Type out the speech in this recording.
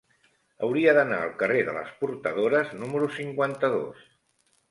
Hauria d'anar al carrer de les Portadores número cinquanta-dos.